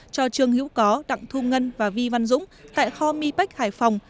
cho trương hữu có đặng thu ngân và vi văn dũng tại kho mi bách hải phòng